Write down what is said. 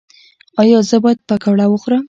ایا زه باید پکوړه وخورم؟